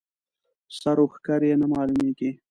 سر و ښکر یې نه معلومېږي.